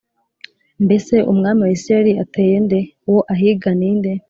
Mbese umwami wa Isirayeli ateye nde? Uwo ahiga ni nde?